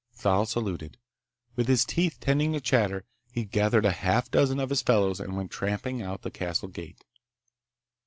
Thal saluted. With his teeth tending to chatter, he gathered a half dozen of his fellows and went tramping out the castle gate.